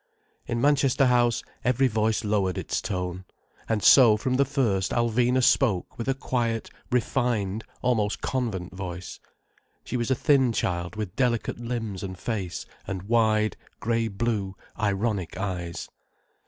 In Manchester House, every voice lowered its tone. And so from the first Alvina spoke with a quiet, refined, almost convent voice. She was a thin child with delicate limbs and face, and wide, grey blue, ironic eyes.